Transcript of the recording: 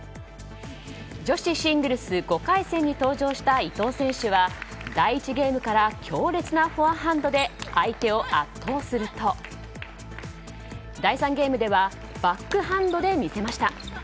女子シングルス５回戦に登場した伊藤選手は第１ゲームから強烈なフォアハンドで相手を圧倒すると第３ゲームではバックハンドで見せました。